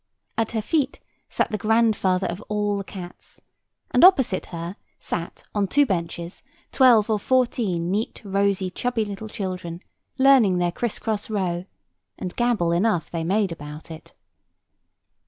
At her feet sat the grandfather of all the cats; and opposite her sat, on two benches, twelve or fourteen neat, rosy, chubby little children, learning their Chris cross row; and gabble enough they made about it.